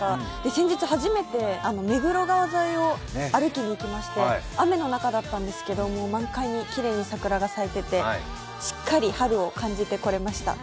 先日初めて、目黒川沿いを歩きに行きまして雨の中だったんですけど満開にきれいに桜が咲いててしっかり春を感じてこれました。